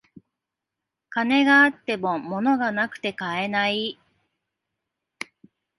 金があっても物がなくて買えない